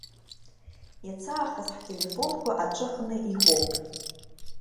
Иацаахыс ҳтелефонқәа аҿыхны иҟоуп.